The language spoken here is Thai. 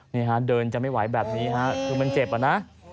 นี่ฮะเดินจะไม่ไหวแบบนี้ฮะคือมันเจ็บอะนะ